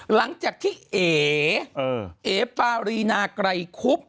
หลังจากที่เอ๋เอปารีนาไกรคุบ